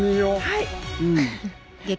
はい！